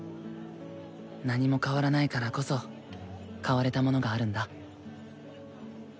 何も変わらないからこそ変われたものがあるんだ。